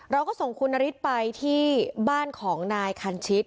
เราก็ส่งคุณนฤทธิ์ไปที่บ้านของนายคันชิต